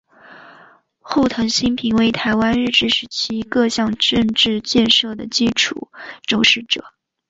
后藤新平为台湾日治时期各项政经建设的基础肇始者。